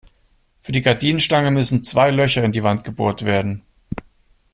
Für die Gardinenstange müssen zwei Löcher in die Wand gebohrt werden.